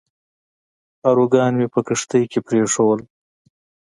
پاروګان مې په کښتۍ کې پرېښوول.